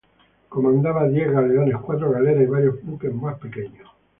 Comandaba diez galeones, cuatro galeras y varios buques más pequeños.